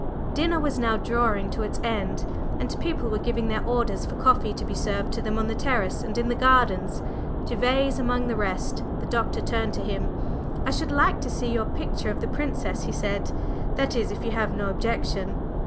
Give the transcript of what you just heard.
Dinner was now drawing to its end, and people were giving their orders for coffee to be served to them on the terrace and in the gardens, Gervase among the rest. The Doctor turned to him. "I should like to see your picture of the Princess," he said, "that is if you have no objection."